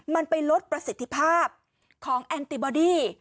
มันไปลดประสิทธิภาพของแอนติบอดี้